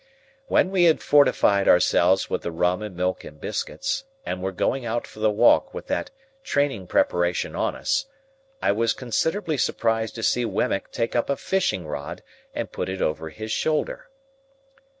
When we had fortified ourselves with the rum and milk and biscuits, and were going out for the walk with that training preparation on us, I was considerably surprised to see Wemmick take up a fishing rod, and put it over his shoulder.